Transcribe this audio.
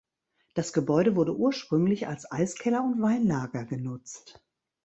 Das Gebäude wurde ursprünglich als Eiskeller und Weinlager genutzt.